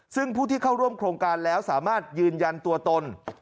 ซึ่งผู้ที่เข้าร่วมโครงการแล้วสามารถยืนยันตัวตน